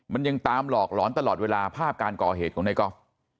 มันยังตามหลอกหลอนตลอดเวลาภาพการก่อเหตุของในกอล์ฟ